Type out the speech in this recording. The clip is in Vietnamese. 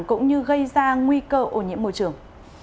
cũng như gây ra nguy cơ ô nhiễm môi trường